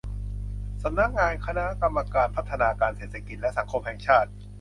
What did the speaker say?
สำนักงานคณะกรรมการพัฒนาการเศรษฐกิจและสังคมแห่งชาติ